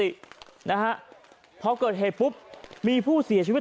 โอ้โหพังเรียบเป็นหน้ากล่องเลยนะครับ